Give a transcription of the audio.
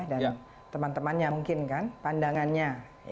dan teman temannya mungkin kan pandangannya